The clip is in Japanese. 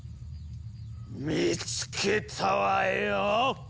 見つけたわよ！